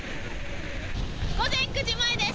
午前９時前です。